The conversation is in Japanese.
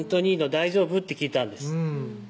大丈夫？」って聞いたんです